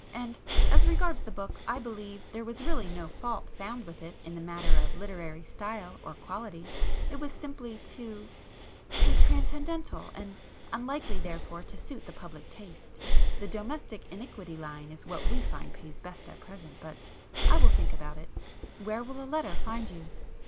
"And as regards the book I believe there was really no fault found with it in the matter [p 53] of literary style or quality,—it was simply too—too transcendental, and unlikely therefore to suit the public taste. The Domestic Iniquity line is what we find pays best at present. But I will think about it—where will a letter find you?"